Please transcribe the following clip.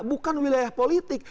bukan wilayah politik